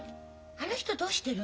あの人どうしてる？